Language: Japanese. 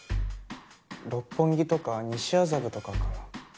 六本木とか西麻布とかかな。